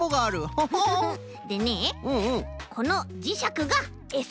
ホホ。でねこのじしゃくがエサ。